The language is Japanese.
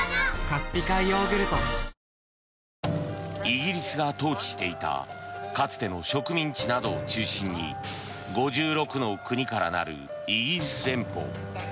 イギリスが統治していたかつての植民地などを中心に５６の国から成るイギリス連邦。